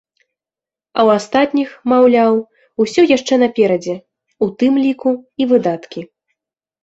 А ў астатніх, маўляў, усё яшчэ наперадзе, у тым ліку і выдаткі.